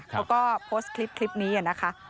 เขาก็โพสต์คลิปคลิปนี้อ่ะนะคะ